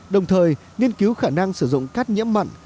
đồng thời nghiên cứu khả năng sử dụng cát nhiễm mặn